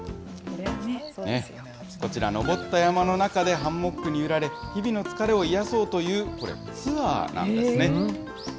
こちら、登った山の中でハンモックに揺られ、日々の疲れを癒やそうというこれ、ツアーなんですね。